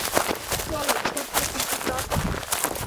চলো, ছোট্টো পিগির দল।